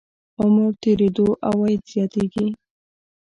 عمر تېرېدو عواید زیاتېږي.